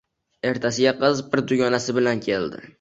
Ertasiga qiz bir dugonasi bilan keldi.